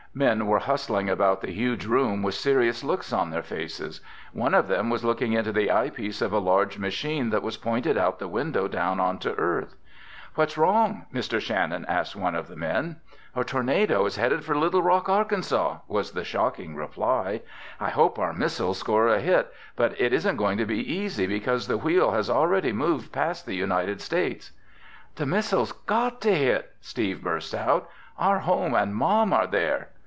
Men were hustling about the huge room with serious looks on their faces. One of them was looking into the eyepiece of a large machine that was pointed out the window down onto Earth. "What's wrong?" Mr. Shannon asked one of the men. "A tornado is headed for Little Rock, Arkansas!" was the shocking reply. "I hope our missile scores a hit, but it isn't going to be easy because the Wheel has already moved past the United States!" "The missile's got to hit!" Steve burst out. "Our home and Mom are there!"